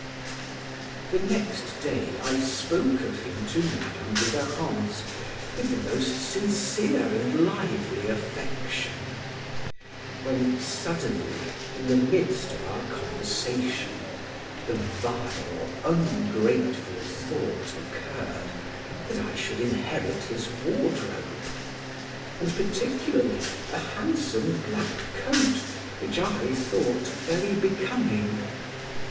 The next day I spoke of him to Madam de Warrens with the most sincere and lively affection; when, suddenly, in the midst of our conversation, the vile, ungrateful thought occurred, that I should inherit his wardrobe, and particularly a handsome black coat, which I thought very becoming.